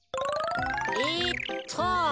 えっと。